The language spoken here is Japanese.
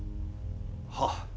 はっ。